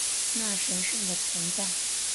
那神圣的存在